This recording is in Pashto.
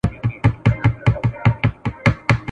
د تعلیم له امله ټولنه د خپلو منابعو په اړه په ګډه پرېکړه کوي.